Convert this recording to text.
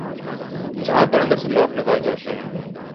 جہاں پر اندر سے لاک لگائے جاتے ہیں